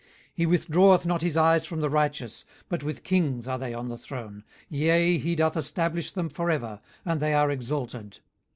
18:036:007 He withdraweth not his eyes from the righteous: but with kings are they on the throne; yea, he doth establish them for ever, and they are exalted.